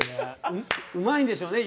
うまいんでしょうね。